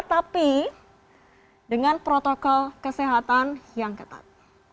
tapi dengan protokol kesehatan yang ketat